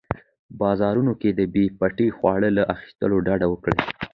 په بازارونو کې د بې پټي خواړو له اخیستلو ډډه وکړئ.